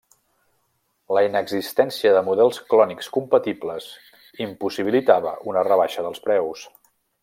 La inexistència de models clònics compatibles impossibilitava una rebaixa dels preus.